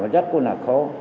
rất là khó